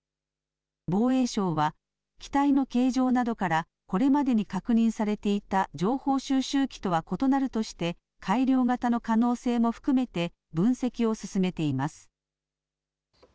防衛省は、機体の形状などからこれまでに確認されていた情報収集機とは異なるとして改良型の可能性も含めて分析を進めています。